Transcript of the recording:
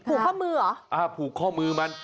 ผูกข้อมือเหรออ่าผูกข้อมือมัน